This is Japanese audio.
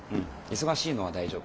忙しいのは大丈夫。